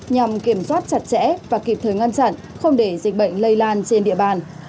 nhằm kiểm soát chặt chẽ và kịp thời ngăn chặn không để dịch bệnh lây lan trên địa bàn